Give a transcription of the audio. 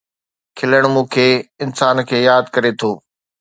کلڻ مون کي انسان کي ياد ڪري ٿو